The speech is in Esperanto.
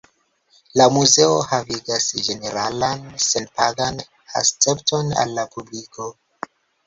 La muzeo havigas ĝeneralan senpagan akcepton al la publiko.